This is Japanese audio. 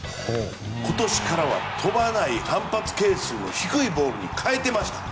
今年からは飛ばない反発係数の低いボールに変えていました。